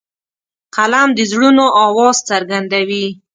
قلم د زړونو آواز څرګندوي